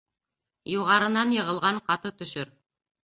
Юғарынан йығылған ҡаты төшөр.